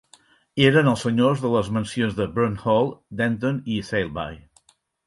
Eren els senyors de les mansions de Burne Hall, Denton i Saleby.